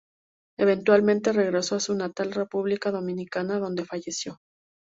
Eventualmente regresó a su natal República Dominicana, donde falleció.